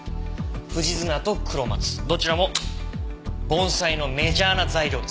富士砂とクロマツどちらも盆栽のメジャーな材料です。